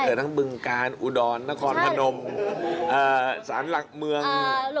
แต่ทั้งบึงกาลอุดรนครพนมสารหลักเมือง